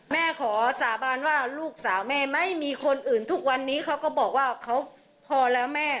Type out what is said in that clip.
แม่ขอสาบานว่าลูกสาวแม่ไม่มีคนอื่นทุกวันนี้เขาก็บอกว่าเขาพอแล้วแม่